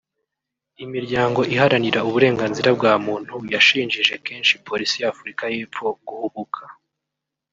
Imiryango iharanira uburenganzira bwa muntu yashinjije kenshi Polisi y’Afurika y’Epfo guhubuka